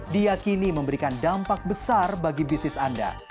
diakini memberikan dampak besar bagi bisnis anda